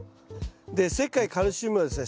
で石灰カルシウムはですね